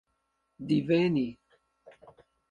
diveni